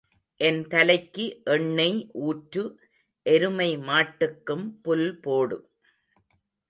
என் தலைக்கு எண்ணெய் ஊற்று எருமை மாட்டுக்கும் புல் போடு.